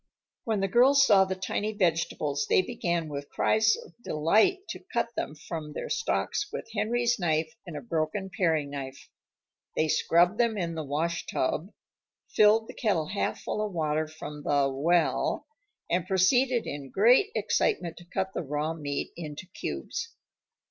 When the girls saw the tiny vegetables they began with cries of delight to cut them from their stalks with Henry's knife and a broken paring knife. They scrubbed them in the "washtub," filled the kettle half full of water from the "well," and proceeded in great excitement to cut the raw meat into cubes.